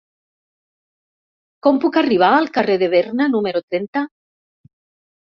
Com puc arribar al carrer de Berna número trenta?